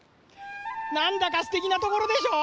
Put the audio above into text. なんだかすてきなところでしょ！